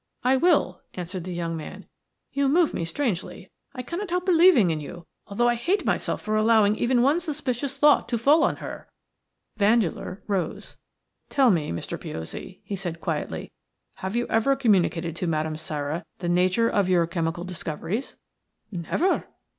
"I will," answered the young man. "You move me strangely. I cannot help believing in you, although I hate myself for allowing even one suspicious thought to fall on her." Vandeleur rose. "Tell me, Mr. Piozzi," he said, quietly, "have you ever communicated to Madame Sara the nature of your chemical discoveries?" "Never."